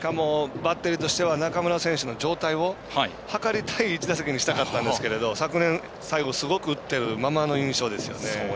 中村選手の状態をはかりたい１打席にしたかったんですけど昨年、最後すごい打ってるままの印象ですよね。